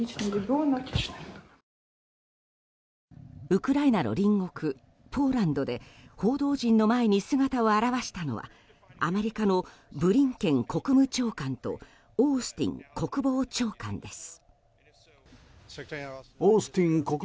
ウクライナの隣国ポーランドで報道陣の前に姿を現したのはアメリカのブリンケン国務長官とオースティン国防長官です。